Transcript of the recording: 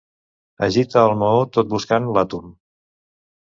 Agita el maó tot buscant l'àtom.